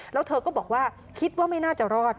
แล้วเธอก็บอกว่าคิดว่าไม่น่าจะรอด